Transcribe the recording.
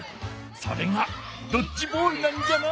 それがドッジボールなんじゃな。